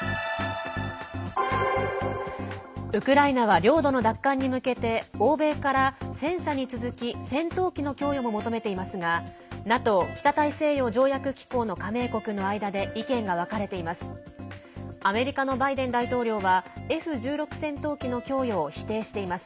ウクライナは領土の奪還に向けて欧米から、戦車に続き戦闘機の供与も求めていますがＮＡＴＯ＝北大西洋条約機構の加盟国の間で意見が分かれています。